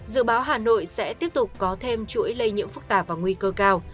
dự báo hà nội sẽ tiếp tục có thêm chuỗi lây nhiễm phức tạp và nguy cơ cao